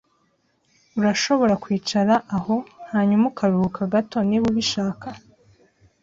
Urashobora kwicara aho hanyuma ukaruhuka gato niba ubishaka.